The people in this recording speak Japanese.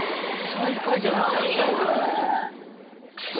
最下位じゃなかった。